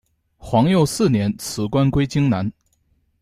皇佑四年辞官归荆南。